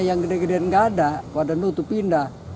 yang gede gedean nggak ada pada nutup pindah